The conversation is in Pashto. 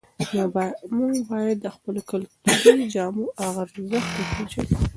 موږ باید د خپلو کلتوري جامو ارزښت وپېژنو.